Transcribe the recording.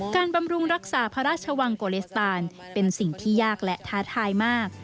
บำรุงรักษาพระราชวังโกเลสตานเป็นสิ่งที่ยากและท้าทายมาก